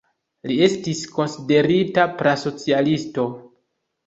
Li estis konsiderita pra-socialisto.